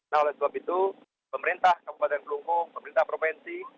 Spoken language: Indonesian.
nah oleh sebab itu pemerintah kabupaten kelungkung pemerintah provinsi